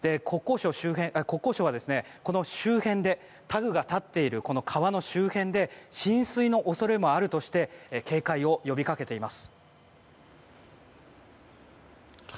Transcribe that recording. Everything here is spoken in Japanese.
国交省はタグが立っている川の周辺で浸水の恐れもあるとして警戒を呼びかけています。